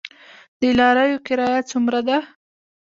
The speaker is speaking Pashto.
د لاریو کرایه څومره ده؟